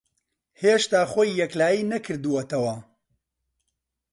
ھێشتا خۆی یەکلایی نەکردووەتەوە.